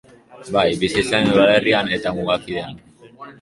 Bai, bizi zaren udalerrian eta mugakidean.